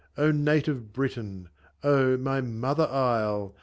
O native Britain ! O my Mother Isle